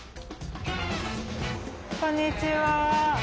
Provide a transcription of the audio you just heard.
こんにちは。